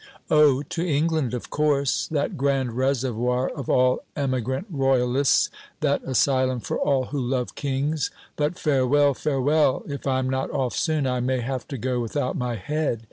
"Oh! to England of course that grand reservoir of all emigrant royalists, that asylum for all who love kings! But farewell, farewell! If I am not off soon I may have to go without my head!